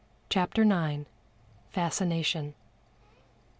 CHAPTER IX. FASCINATION.